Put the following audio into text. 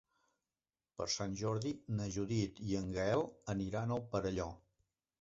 Per Sant Jordi na Judit i en Gaël aniran al Perelló.